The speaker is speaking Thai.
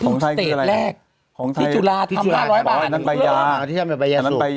พึ่งสเตตแรกที่จุฬาที่ทำ๕๐๐บาท